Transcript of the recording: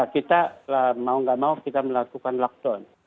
kita mau gak mau kita melakukan lockdown